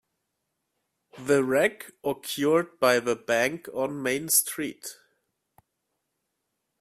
The wreck occurred by the bank on Main Street.